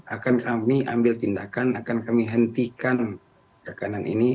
akan kami ambil tindakan akan kami hentikan rekanan ini